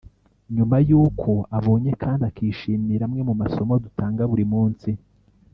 nyuma y’uko abonye kandi akishimira amwe mu masomo dutanga buri munsi